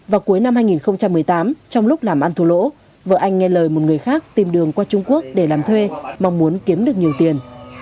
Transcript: vào cuối năm hai nghìn một mươi tám trong lúc làm ăn thua lỗ vợ anh nghe lời một người khác tìm đường qua trung quốc để làm thuê mong muốn kiếm được nhiều tiền